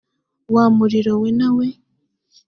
wa muriro we nawe